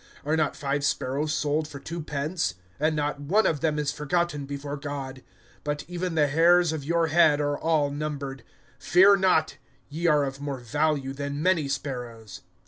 (6)Are not five sparrows sold for two pence? And not one of them is forgotten before God. (7)But even the hairs of your head are all numbered. Fear not; ye are of more value than many sparrows.